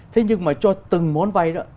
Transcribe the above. thế nhưng mà cho từng món vay